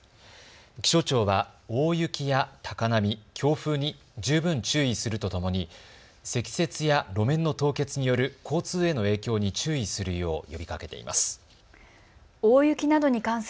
気象庁は大雪や高波、強風に十分注意するとともに積雪や路面の凍結による交通への影響に注意するよう呼びかけています。